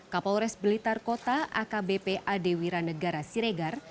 kapolres blitar kota akbp adewira negara siregar